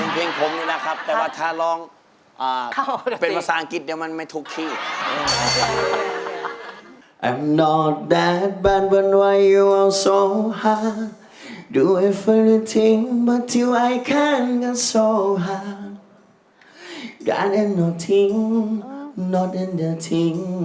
เพลงผมนี่แหละครับแต่ว่าถ้าร้องเป็นภาษาอังกฤษเดี๋ยวมันไม่ถูกที่